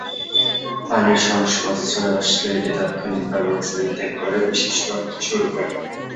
পানির সংস্পর্শে আসলে এটি তাৎক্ষণিক ভাবে অক্সিজেন ত্যাগ করে বিশ্লিষ্ট হতে শুরু করে।